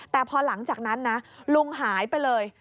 แต่พอหลังจากนั้นนะลุงหายไปเลย